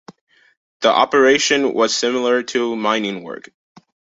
The operation was similar to mining work.